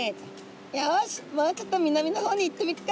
よしもうちょっと南の方に行ってみっか！」。